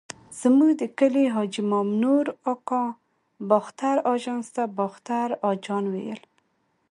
زموږ د کلي حاجي مامنور اکا باختر اژانس ته باختر اجان ویل.